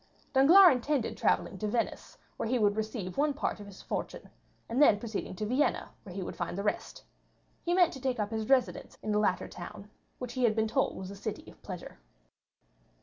Danglars intended travelling to Venice, where he would receive one part of his fortune, and then proceeding to Vienna, where he would find the rest, he meant to take up his residence in the latter town, which he had been told was a city of pleasure.